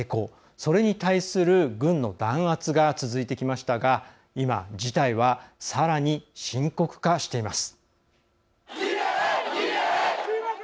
それに対する軍の弾圧が続いてきましたが今、事態はさらに深刻化しています。